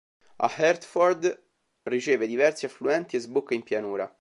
A Hertford riceve diversi affluenti e sbocca in pianura.